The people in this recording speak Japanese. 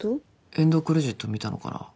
エンドクレジット見たのかな